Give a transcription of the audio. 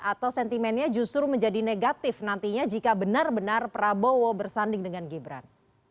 atau sentimennya justru menjadi negatif nantinya jika benar benar prabowo bersanding dengan gibran